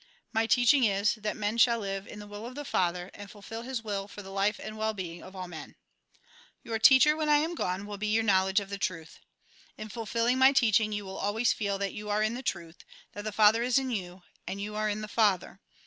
My teaching is, that man shall live in the will of the Father, and fulfil His will for the life and well being of all men. " Your teacher, when I am gone, will be your knowledge of the truth. In fulfilling my teaching, you will always feel that you are in the truth, that the Father is in you, and you are in the Father.